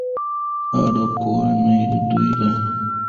پلار د کورنۍ ډډه ده.